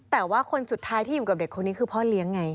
แต่ว่าคนสุดท้ายที่อยู่กับเด็กคนนี้คือพ่อเลี้ยงไง